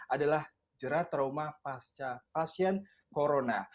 adalah jerat trauma pasien corona